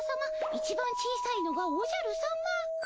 いちばん小さいのがおじゃるさま。